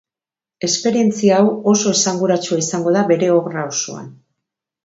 Esperientzia hau oso esanguratsua izango da bere obra osoan.